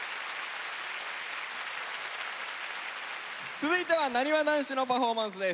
続いてはなにわ男子のパフォーマンスです。